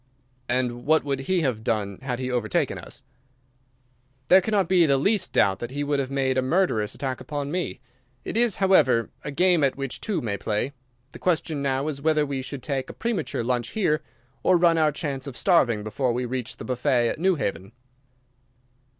"And what would he have done had he overtaken us?" "There cannot be the least doubt that he would have made a murderous attack upon me. It is, however, a game at which two may play. The question now is whether we should take a premature lunch here, or run our chance of starving before we reach the buffet at Newhaven."